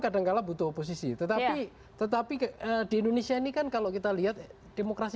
kadangkala butuh oposisi tetapi tetapi di indonesia ini kan kalau kita lihat demokrasi